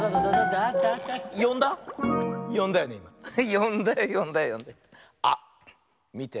よんだよよんだよよんだよ。あっみて。